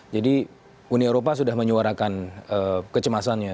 jadi uni eropa sudah menyuarakan kecemasannya